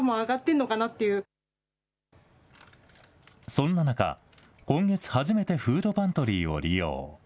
そんな中、今月初めてフードパントリーを利用。